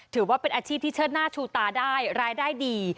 ถือว่าเป็นอาชีพที่เชิดหน้าชูตาได้รายได้ดี